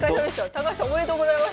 高橋さんおめでとうございます。